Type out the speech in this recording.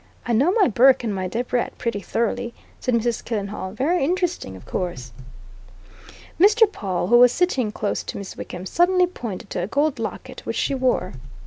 "I know my Burke and my Debrett pretty thoroughly," said Mrs. Killenhall. "Very interesting, of course." Mr. Pawle, who was sitting close to Miss Wickham, suddenly pointed to a gold locket which she wore.